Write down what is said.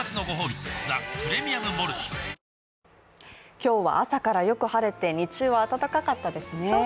今日は朝からよく晴れて日中は暖かかったですね。